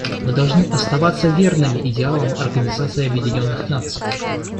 Мы должны оставаться верными идеалам Организации Объединенных Наций.